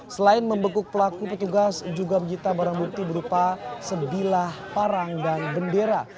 selain membekuk pelaku petugas juga mencoba mencoba berupa sebilah parang dan bendera